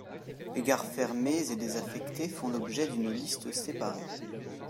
Les gares fermées et désaffectées font l'objet d'une liste séparée.